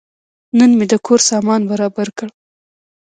نن مې د کور سامان برابر کړ.